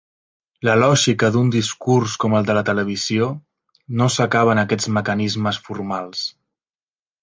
La lògica d'un discurs com el de la televisió, no s'acaba en aquests mecanismes formals.